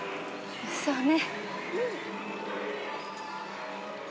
そうね。